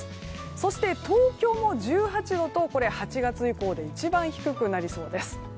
そして、東京も１８度と８月以降で一番低くなりそうです。